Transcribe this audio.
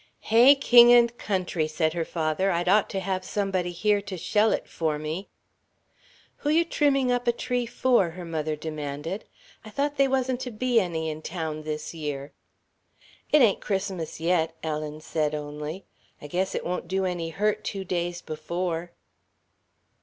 "Hey, king and country," said her father; "I'd ought to have somebody here to shell it for me." "Who you trimming up a tree for?" her mother demanded; "I thought they wasn't to be any in town this year." "It ain't Christmas yet," Ellen said only. "I guess it won't do any hurt two days before."